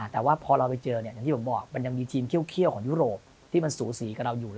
แต่ว่าพอเราไปเจออย่างที่ผมบอกมันยังมีทีมเคี่ยวของยุโรปที่มันสูสีกับเราอยู่